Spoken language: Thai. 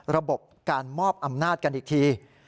ระบบการมอบอำนาจกันอีกที